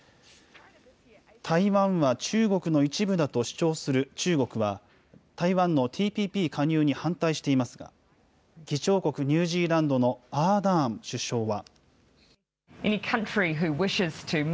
台湾は中国の一部だと主張する中国は、台湾のＴＰＰ加入に反対していますが、議長国ニュージーランドのアーダーン首相は。